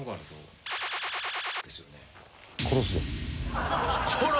「殺すぞ」。